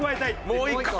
もう１個。